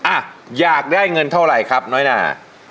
อ่ะอยากได้เงินเท่าไหร่ครับน้อยนา